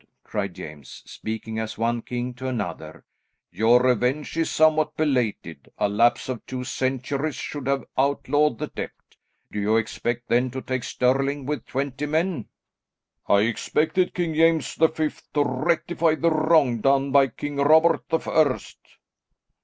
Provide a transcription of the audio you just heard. cried James, "speaking as one king to another, your revenge is somewhat belated, a lapse of two centuries should have outlawed the debt. Did you expect then to take Stirling with twenty men?" "I expected King James the Fifth to rectify the wrong done by King Robert the First."